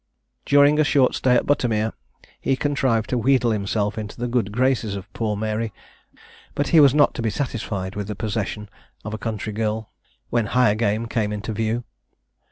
During a short stay at Buttermere, he contrived to wheedle himself into the good graces of poor Mary; but he was not to be satisfied with the possession of a country girl, when higher game came in view.